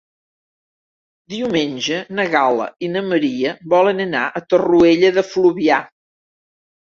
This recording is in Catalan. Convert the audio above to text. Diumenge na Gal·la i na Maria volen anar a Torroella de Fluvià.